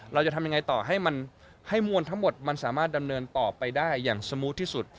เราจะทำยังไงต่อให้มันให้มวลทั้งหมดมันสามารถดำเนินต่อไปได้อย่างสมูทที่สุด